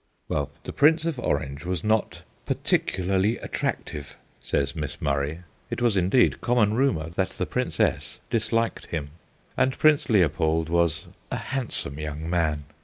Well, the Prince of Orange was not ' particularly attractive/ says Miss Murray it was indeed common rumour that the Prin cess disliked him and Prince Leopold was 'a handsome young man.'